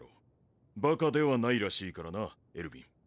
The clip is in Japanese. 馬鹿ではないらしいからなエルヴィン。